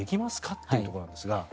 っていうところですが。